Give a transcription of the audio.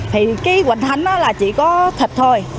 thì cái hoành thánh đó là chỉ có thịt thôi